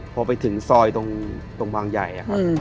พอไปถึงซอยตรงวางใหญ่